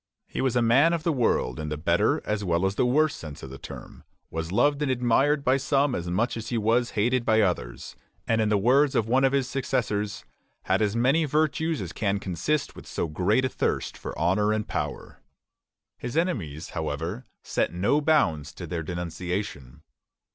He was a man of the world in the better as well as the worse sense of the term; was loved and admired by some as much as he was hated by others; and in the words of one of his successors, "had as many virtues as can consist with so great a thirst for honor and power." His enemies, however, set no bounds to their denunciation.